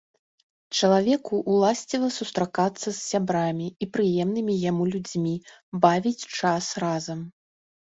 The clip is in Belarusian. Чалавеку ўласціва сустракацца з сябрамі і прыемнымі яму людзьмі, бавіць час разам.